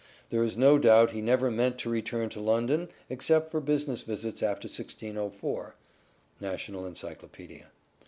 (" There is no doubt he never meant to return to London except for business visits after 1604": National Encyclopedia).